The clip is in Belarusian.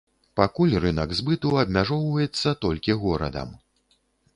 Пакуль рынак збыту абмяжоўваецца толькі горадам.